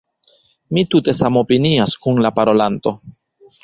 Mi tute samopinias kun la parolanto.